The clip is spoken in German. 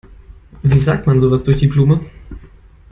Wie sagt man sowas durch die Blume?